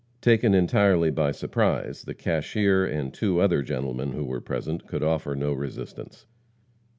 Taken entirely by surprise, the cashier and two other gentlemen who were present, could offer no resistance.